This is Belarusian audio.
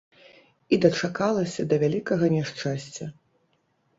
І дачакалася да вялікага няшчасця.